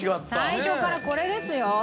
最初からこれですよ。